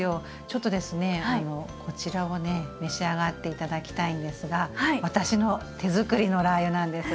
ちょっとですねこちらをね召し上がって頂きたいんですが私の手づくりのラー油なんです。